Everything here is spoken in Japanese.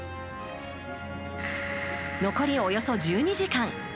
残りおよそ１２時間。